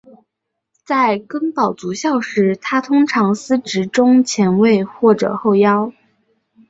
在根宝足校时他通常司职中前卫或者后腰。